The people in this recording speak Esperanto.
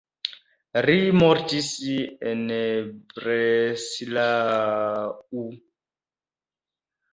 Li mortis en Breslau.